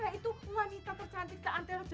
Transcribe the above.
aduh aku ini cinta sama kamu anjol mas johnny